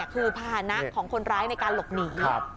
คือภาษณะของคนร้ายในการหลบหนี